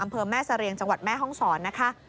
อำเภอแม่เสรียงจังหวัดแม่ห้องศรนะคะ